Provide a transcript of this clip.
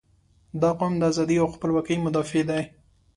• دا قوم د ازادۍ او خپلواکۍ مدافع دی.